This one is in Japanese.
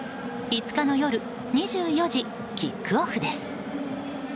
５日の夜２４時キックオフです。